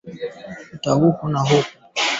Bidhaa kama unga lishe maandazi NK